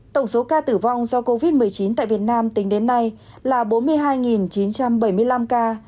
tổng số ca tử vong do covid một mươi chín tại việt nam tính đến nay là bốn mươi hai chín trăm bảy mươi năm ca